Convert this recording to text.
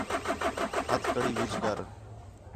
ہتھ کڑی وِجھ کر